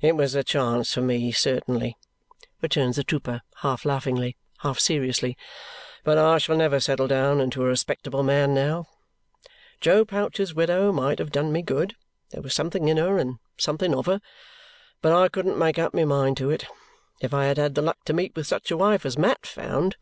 "It was a chance for me, certainly," returns the trooper half laughingly, half seriously, "but I shall never settle down into a respectable man now. Joe Pouch's widow might have done me good there was something in her, and something of her but I couldn't make up my mind to it. If I had had the luck to meet with such a wife as Mat found!"